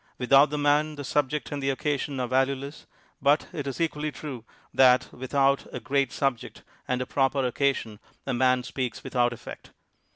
Without the man, the subject and the occasion are valueless, but it is equally true that, with out a great subject and a proper occasion, a man speaks without effect.